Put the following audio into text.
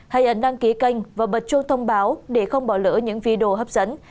hay ấn đăng ký kênh và bật chuông thông báo để không bỏ lỡ những video hấp dẫn